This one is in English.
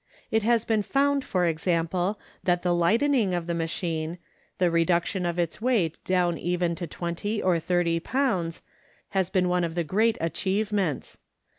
It has been found, for example, that the lightening of the machine, the re duction of its weight down even to twenty or thirty pounds, has been one of the great achievements.